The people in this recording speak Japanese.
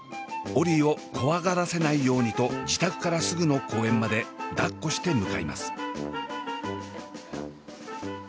オリィを怖がらせないようにと自宅からすぐの公園までだっこして向かいます。